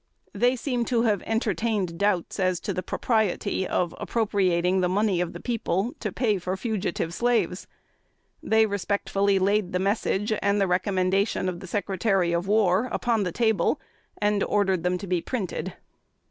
They seem to have entertained doubts as to the propriety of appropriating the money of the people to pay for fugitive slaves. They respectfully laid the Message, and the recommendation of the Secretary of War, upon the table, and ordered them to be printed.